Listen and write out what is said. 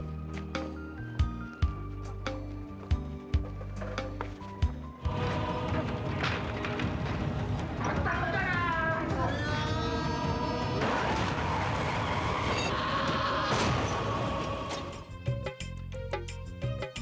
mas rangga mau bantu